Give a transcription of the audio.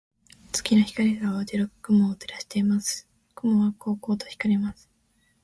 月の光が青白く雲を照らしています。雲はこうこうと光ります。